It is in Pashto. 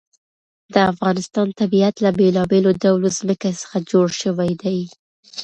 د افغانستان طبیعت له بېلابېلو ډولو ځمکه څخه جوړ شوی دی.